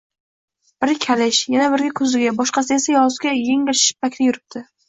Biri kalish, yana biri kuzgi, boshqasi esa yozgi engil shippakda yuribdi